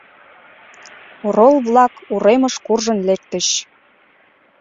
Орол-влак уремыш куржын лектыч.